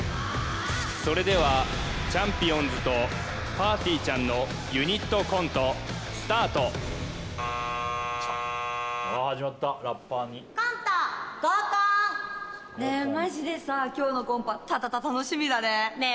それではちゃんぴおんずとぱーてぃーちゃんのユニットコントスタートコント「合コン」ねえマジでさ今日のコンパたたた楽しみだねねえ